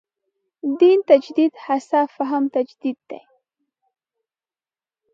دین تجدید هڅه فهم تجدید دی.